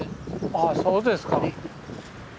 ああそうですか。